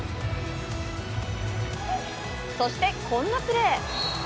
そしてこんなプレー。